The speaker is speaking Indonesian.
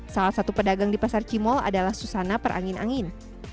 salah satu pedagang di pasar cimol adalah susana perangin angin